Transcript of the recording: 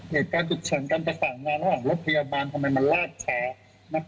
เหตุการณ์ฉุกเฉินการประสานงานระหว่างรถพยาบาลทำไมมันลาดแชร์